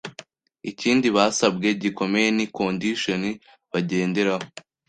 Ikindi basabwe gikomeye ni condition bagendaraho